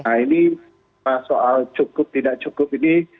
nah ini soal cukup tidak cukup ini